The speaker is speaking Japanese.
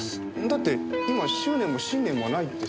だって今執念も信念もないって。